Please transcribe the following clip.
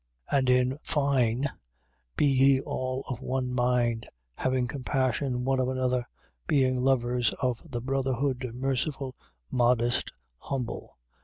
3:8. And in fine, be ye all of one mind, having compassion one of another, being lovers of the brotherhood, merciful, modest, humble: 3:9.